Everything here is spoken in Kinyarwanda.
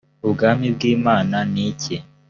ubwami bw’imana ni iki?